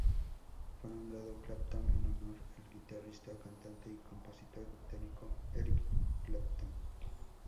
Fue nombrado Clapton en honor al guitarrista, cantante y compositor británico Eric Clapton.